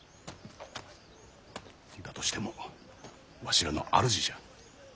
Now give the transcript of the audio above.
としてもわしらの主じゃ。